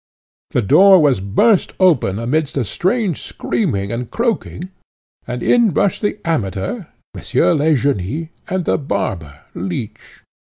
The door was burst open amidst a strange screaming and croaking, and in rushed the Amateur, Monsieur Legénie, and the barber, Leech.